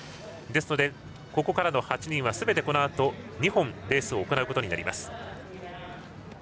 ですのでここからの８人はこのあと２本レースを行うことになります。